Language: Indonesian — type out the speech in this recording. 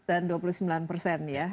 dan dua puluh sembilan persen ya